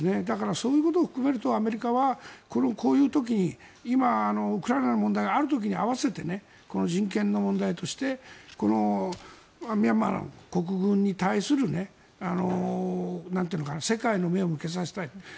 だから、そういうことを含めるとアメリカはこういう時に今、ウクライナの問題がある時に合わせて人権の問題としてミャンマー国軍に対する世界の目を向けさせたい。